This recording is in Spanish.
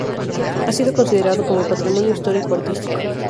Ha sido considerado como Patrimonio Histórico Artístico.